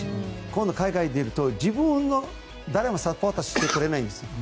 今度、海外に出ると自分を誰もサポートしてくれないんですよ。